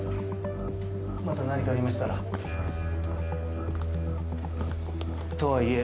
また何かありましたらとはいえ